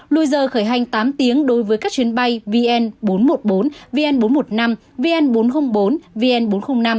lùi giờ khởi hành tám tiếng đối với các chuyến bay vn bốn trăm một mươi bốn vn bốn trăm một mươi năm vn bốn trăm linh bốn vn bốn trăm linh năm